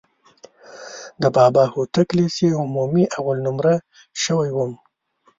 د بابا هوتک لیسې عمومي اول نومره شوی وم.